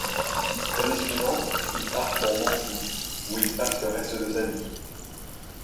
L'année suivante, il part pour Mantoue, où il passe le reste de sa vie.